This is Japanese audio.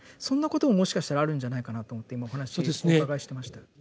そんなことももしかしたらあるんじゃないかなと思って今お話お伺いしてました。